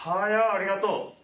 ありがとう。